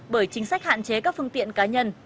bởi chính sách hạn chế các phương tiện cá nhân